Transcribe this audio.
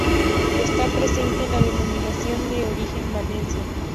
Está presente en la Denominación de Origen Valencia.